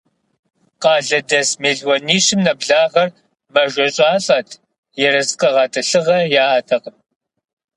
Къалэдэс мелуанищым нэблагъэр мэжэщӀалӀэт, ерыскъы гъэтӀылъыгъэ яӀэтэкъым.